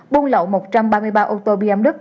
buôn lậu một trăm ba mươi ba ô tô bmw